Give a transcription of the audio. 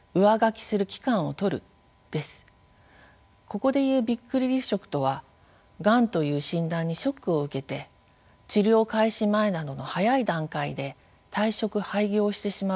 ここで言うびっくり離職とはがんという診断にショックを受けて治療開始前などの早い段階で退職・廃業してしまうことを指します。